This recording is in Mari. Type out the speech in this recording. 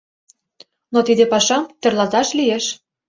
Но тиде пашам тӧрлаташ лиеш.